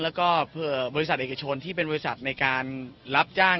แล้วก็บริษัทเอกชนที่เป็นบริษัทในการรับจ้าง